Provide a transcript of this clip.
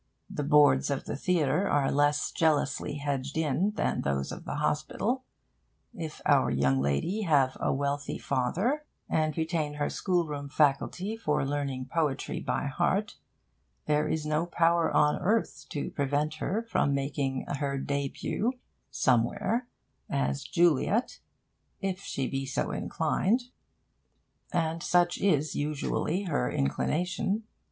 The boards of the theatre are less jealously hedged in than those of the hospital. If our young lady have a wealthy father, and retain her schoolroom faculty for learning poetry by heart, there is no power on earth to prevent her from making her de'but, somewhere, as Juliet if she be so inclined; and such is usually her inclination.